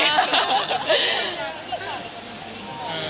พิมันตั้งคำถามกันไฟซีกหมู่